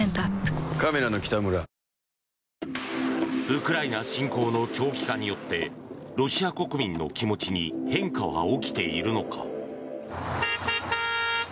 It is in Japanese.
ウクライナ侵攻の長期化によってロシア国民の気持ちに変化は起きているのか。